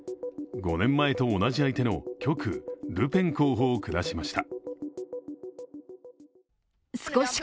５年前と同じ相手の極右・ルペン候補を下しました。